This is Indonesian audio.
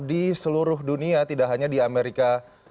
di seluruh dunia tidak hanya di amerika